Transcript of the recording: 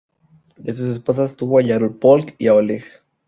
De sus esposas tuvo a Yaropolk y a Oleg.